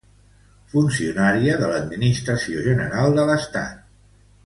Funcionària de l'Administració General de l'Estat.